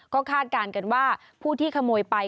ก็คาดการณ์กันว่าผู้ที่ขโมยไป